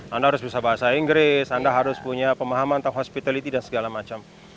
anda harus bisa bahasa inggris anda harus punya pemahaman tentang hospitality dan segala macam